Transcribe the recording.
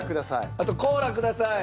あとコーラください。